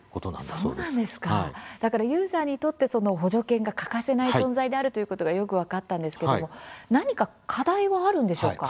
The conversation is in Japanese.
だからユーザーにとって補助犬が欠かせない存在であるということがよく分かったんですけれども何か課題はあるんでしょうか？